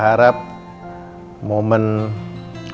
tepat di sekianter